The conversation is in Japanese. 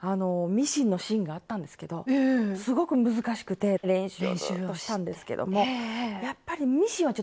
あのミシンのシーンがあったんですけどすごく難しくて練習をずっとしたんですけどもやっぱりミシンはちょっと苦手です。